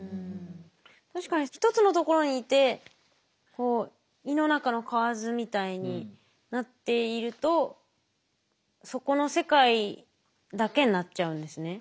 確かに一つの所にいて「井の中の蛙」みたいになっているとそこの世界だけになっちゃうんですね。